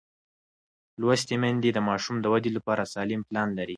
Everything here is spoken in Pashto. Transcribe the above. لوستې میندې د ماشوم د وده لپاره سالم پلان لري.